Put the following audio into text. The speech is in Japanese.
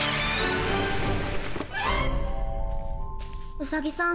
ウサギさん。